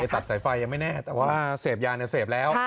ตัดสายไฟยังไม่แน่แต่ว่าเสพยาเนี่ยเสพแล้ว